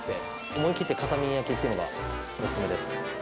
思いきって片面焼きっていうのがおすすめです。